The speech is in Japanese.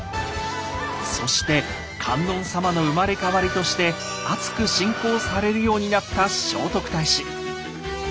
そして観音様の生まれ変わりとしてあつく信仰されるようになった聖徳太子。